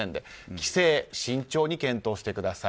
帰省、慎重に検討してください。